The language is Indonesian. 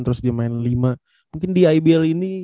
terus dia main lima mungkin di ibl ini